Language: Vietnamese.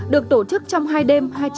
được tổ chức trong hai đêm